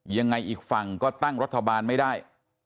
อีกฝั่งก็ตั้งรัฐบาลไม่ได้